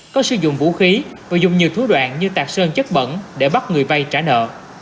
có sử dụng vũ khí và dùng nhiều thú đoạn như tạc sơn chất bẩn để bắt người vay trả nợ